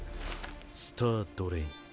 スタードレイン。